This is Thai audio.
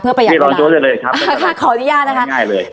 เพื่อประหยัดเรียกรองโจ๊กได้เลยครับขออนุญาตนะคะง่ายง่ายเลย